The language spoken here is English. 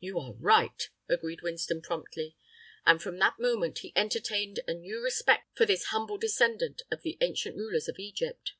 "You are right," agreed Winston, promptly; and from that moment he entertained a new respect for this humble descendant of the ancient rulers of Egypt.